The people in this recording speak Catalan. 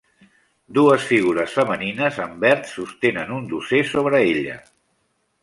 Dues figures femenines en verd sostenen un dosser sobre ella.